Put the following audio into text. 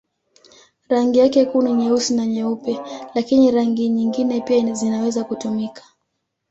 Rangi yake kuu ni nyeusi na nyeupe, lakini rangi nyingine pia zinaweza kutumika.